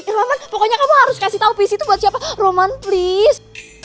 roman pokoknya kamu harus kasih tau pc itu buat siapa roman please